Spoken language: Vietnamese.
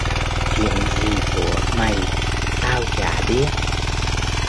chuyện gì của mày tao chả biết